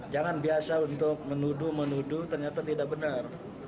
jangan biasa untuk menuduh menuduh ternyata tidak benar